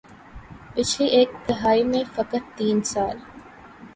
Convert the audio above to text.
پچھلی ایک دہائی میں فقط تین سال